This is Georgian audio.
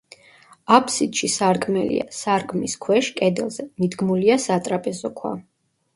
აფსიდში სარკმელია, სარკმლის ქვეშ, კედელზე, მიდგმულია სატრაპეზო ქვა.